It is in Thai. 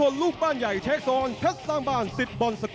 ส่วนลูกบ้านใหญ่ใช้ซอนเพชรสร้างบ้านสิทธิ์บอลสก